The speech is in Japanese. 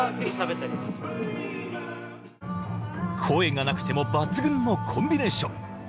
声がなくても抜群のコンビネーション。